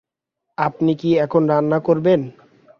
আপনি কি এখন রান্না করবেন?